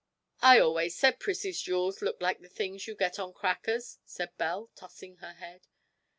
'I always said Prissie's jewels looked like the things you get on crackers!' said Belle, tossing her head.